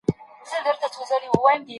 د ژبي زده کړي ته ډېره پاملرنه کېږي.